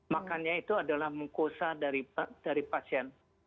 makannya itu adalah mukosa dari pasien